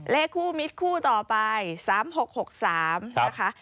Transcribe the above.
เลขคู่มิตรคู่ต่อไป๓๖๖๓นะคะ